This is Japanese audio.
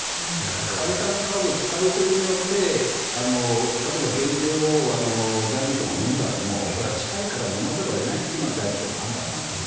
解散カードを使うことによって例えば減税を財務省がのんだのもこれは近いからのまざるを得ないというのが財務省の判断なんです。